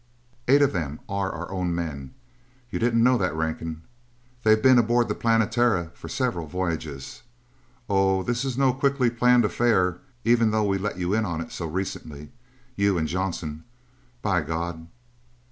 "Eight of them are our own men! You didn't know that, Rankin? They've been aboard the Planetara for several voyages. Oh, this is no quickly planned affair, even though we let you in on it so recently. You and Johnson.... By God!"